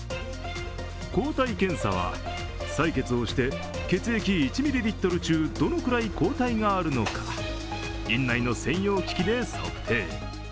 抗体検査は採血をして血液１ミリリットル中どのくらい抗体があるのか院内の専用機器で測定。